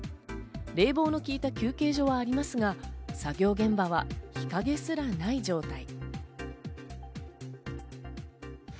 冷房の効いた休憩所はありますが、作業現場は日陰すらない状態。